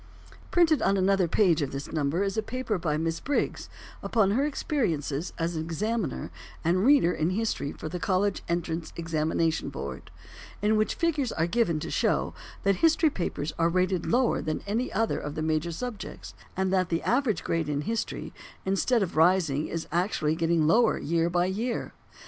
Printed on another page of this number is a paper by Miss Briggs upon her experiences as an examiner and reader in history for the College Entrance Examination Board, in which figures are given to show that history papers are rated lower than any other of the major subjects, and that the average grade in history, instead of rising, is actually getting lower year by year.